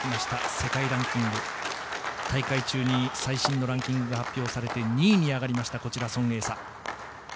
世界ランキング大会中に最新のランキングが発表されて、２位に上がりましたソン・エイサ。